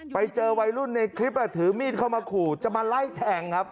ไปเจอวัยรุ่นในคลิปถือมีดเข้ามาขู่จะมาไล่แทงครับ